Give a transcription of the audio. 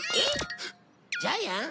ジャイアン？